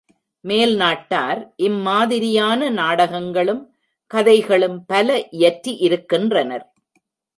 மேல்நாட்டார் இம் மாதிரியான நாடகங்களும் கதைகளும் பல இயற்றி இருக்கின்றனர்.